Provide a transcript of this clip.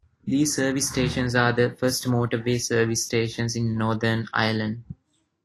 These service stations are the first motorway service stations in Northern Ireland.